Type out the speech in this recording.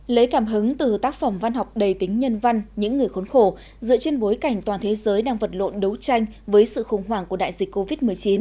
lấy cảm hứng từ tác phẩm văn học đầy tính nhân văn những người khốn khổ dựa trên bối cảnh toàn thế giới đang vật lộn đấu tranh với sự khủng hoảng của đại dịch covid một mươi chín